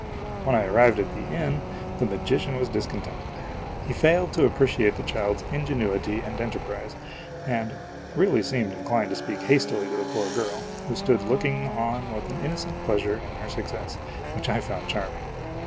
When I arrived at the inn, the magician was discontented. He failed to appreciate the child's ingenuity and enterprise, and really seemed inclined to speak hastily to the poor girl, who stood look ing on with an innocent pleasure in her success, which I found charming.